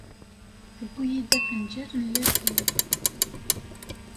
Tewwi-iyi-d afenǧal n latay.